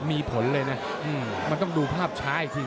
มีผลเลยนะมันต้องดูภาพช้าอีกที